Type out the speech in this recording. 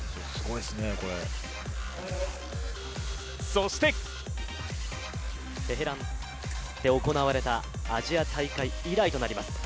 そしてテヘランで行われたアジア大会以来となります。